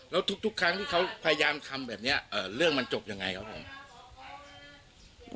แล้วทุกครั้งที่เขาพยายามทำแบบนี้เรื่องมันจบยังไงครับผม